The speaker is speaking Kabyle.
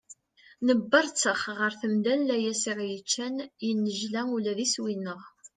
Nebberttex ɣer temda n layas i aɣ-yeččan, yennejla ula d iswi-nneɣ.